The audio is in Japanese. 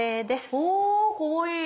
あかわいい。